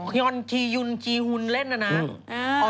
พี่ยอนจียุนจีฮุนเล่นอ่ะนะ